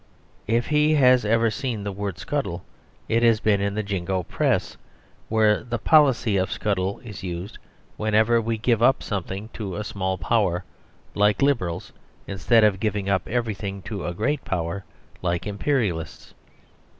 If he has ever seen the word scuttle it has been in the Jingo Press, where the "policy of scuttle" is used whenever we give up something to a small Power like Liberals, instead of giving up everything to a great Power, like Imperialists.